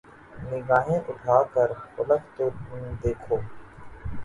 نگاھیں اٹھا کر فلک کو تو دیکھو